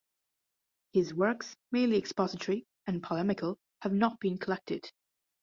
His works, mainly expository and polemical, have not been collected.